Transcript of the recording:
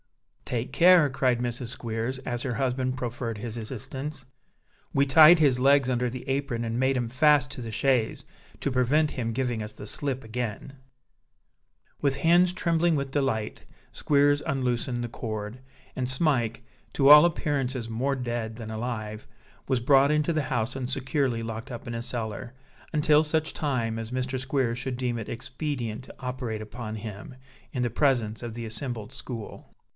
"Take care," cried Mrs. Squeers, as her husband proffered his assistance. "We tied his legs under the apron and made 'em fast to the chaise, to prevent him giving us the slip again." With hands trembling with delight, Squeers unloosed the cord; and Smike, to all appearances more dead than alive, was brought into the house and securely locked up in a cellar, until such time as Mr. Squeers should deem it expedient to operate upon him, in the presence of the assembled school.